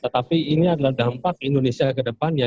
tetapi ini adalah dampak indonesia ke depannya